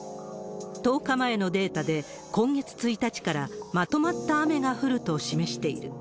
１０日前のデータで今月１日からまとまった雨が降ると示している。